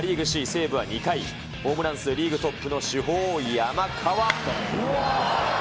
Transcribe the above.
西武は２回、ホームラン数リーグトップの主砲、山川。